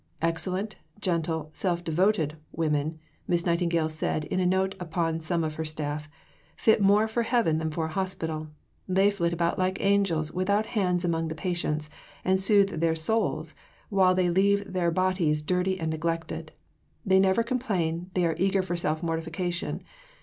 "Excellent, gentle, self devoted women," Miss Nightingale said in a note upon some of her staff, "fit more for Heaven than for a Hospital, they flit about like angels without hands among the patients, and soothe their souls, while they leave their bodies dirty and neglected. They never complain, they are eager for self mortification.